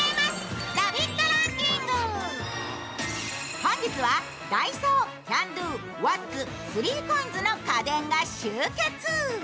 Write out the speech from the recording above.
本日はダイソー、キャンドゥ、ワッツ、３ＣＯＩＮＳの家電が集結。